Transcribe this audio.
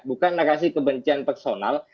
bukan narasi kebencian personal